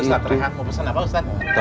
eh ustadz rehan mau pesan apa ustadz